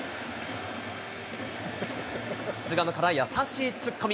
菅野から優しいツッコミ。